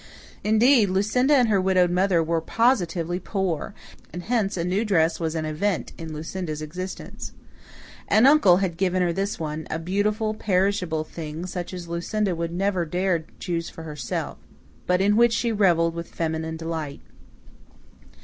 Indeed, Lucinda and her widowed mother were positively poor, and hence a new dress was an event in Lucinda's existence. An uncle had given her this one a beautiful, perishable thing, such as Lucinda would never have dared to choose for herself, but in which she revelled with feminine delight.